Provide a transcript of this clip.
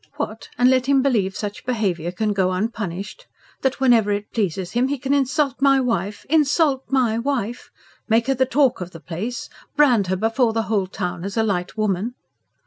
"What? and let him believe such behaviour can go unpunished? That whenever it pleases him, he can insult my wife insult my wife? Make her the talk of the place? Brand her before the whole town as a light woman?"